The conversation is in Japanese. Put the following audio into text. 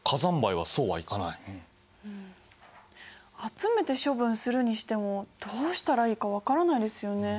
集めて処分するにしてもどうしたらいいか分からないですよね。